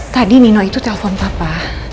tadi nino itu telepon papa